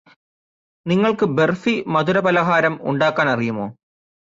നിങ്ങൾക്ക് ബർഫിമധുര പലഹാരം ഉണ്ടാക്കാൻ അറിയുമോ